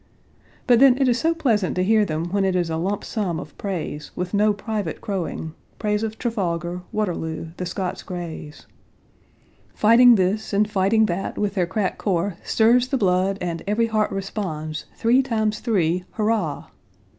" But then it is so pleasant to hear them when it is a lump sum of praise, with no private crowing praise of Trafalgar, Waterloo, the Scots Greys. Fighting this and fighting that, with their crack corps stirs the blood and every heart responds three times three! Hurrah!